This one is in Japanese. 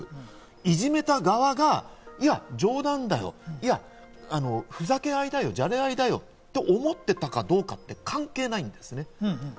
いじめた側が冗談だよ、ふざけ合いだよ、じゃれ合いだよと思っていたかどうかって関係ないんです。